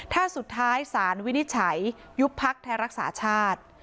ถ้าสุดท้ายสารวินิจฉัยยุบพักไทยรักษาชาติ